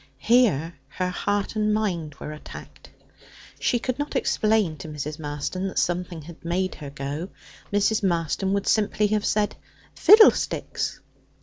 Here, her heart and mind were attacked. She could not explain to Mrs. Marston that something had made her go. Mrs. Marston would simply have said 'Fiddlesticks!'